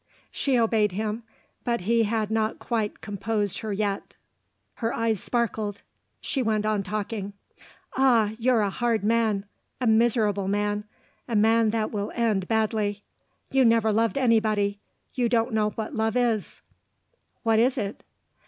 She obeyed him but he had not quite composed her yet. Her eyes sparkled; she went on talking. "Ah, you're a hard man! a miserable man! a man that will end badly! You never loved anybody. You don't know what love is." "What is it?"